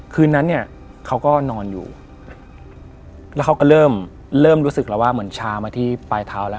คืนนั้นเนี่ยเขาก็นอนอยู่แล้วเขาก็เริ่มเริ่มรู้สึกแล้วว่าเหมือนชามาที่ปลายเท้าแล้ว